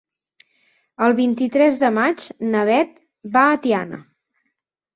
El vint-i-tres de maig na Beth va a Tiana.